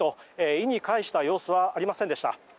意に介した様子はありませんでした。